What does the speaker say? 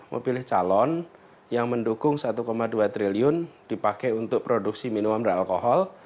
mau pilih calon yang mendukung satu dua triliun dipakai untuk produksi minuman beralkohol